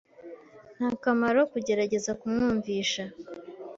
Nta kamaro kugerageza kumwumvisha.